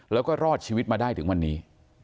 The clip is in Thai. แล้วก็รอดชีวิตมาได้ถึงวันนี้